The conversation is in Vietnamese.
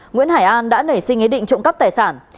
nguyễn hải an đã nảy sinh ý định trộm cắp tài sản